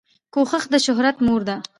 کوښښ دشهرت مور ده